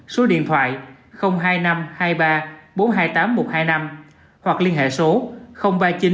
số điện thoại hai nghìn năm trăm hai mươi ba bốn trăm hai mươi tám nghìn một trăm hai mươi năm hoặc liên hệ số ba mươi chín bảy trăm ba mươi bảy sáu nghìn bốn trăm năm mươi năm